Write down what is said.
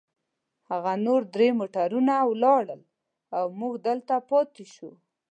هغه نور درې موټرونه ولاړل، او موږ دلته پاتې شوو.